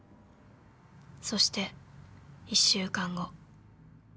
そして１週間後。